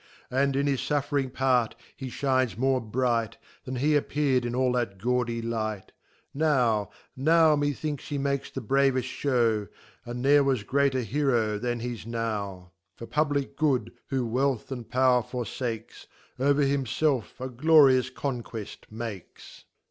And, in his Suffering par;, he fltfne* more bright, Than he appear'd in all that gaudy li^ht, Now, now, methinks he makes che braVeftJhow, And nerewas greater Bertie than he's now. For p H blic\good, who weahkahd potter fprfa^es, Over himfelf a glorious Conqxeft makes.